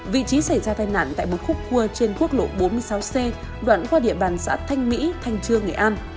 vị trí xảy ra tai nạn tại một khúc cua trên quốc lộ bốn mươi sáu c đoạn qua địa bàn xã thanh mỹ thanh trương nghệ an